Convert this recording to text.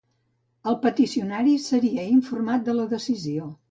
El peticionari seria informat de la decisió.